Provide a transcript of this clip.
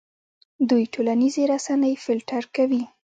دوی ټولنیزې رسنۍ فلټر کوي.